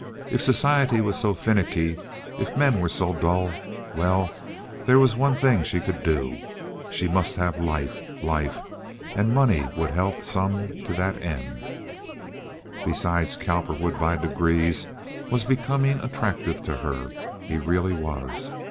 If society was so finicky, if men were so dull—well, there was one thing she could do. She must have life, life—and money would help some to that end. Besides, Cowperwood by degrees was becoming attractive to her; he really was.